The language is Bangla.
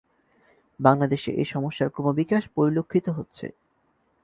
বাংলাদেশে এসমস্যার ক্রমবিকাশ পরিলক্ষিত হচ্ছে।